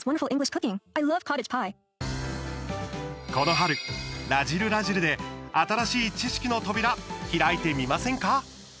この春「らじる★らじる」で新しい知識の扉開いてみませんか。